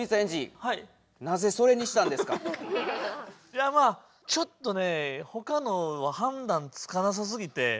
いやまあちょっとねほかのは判断つかなさすぎて。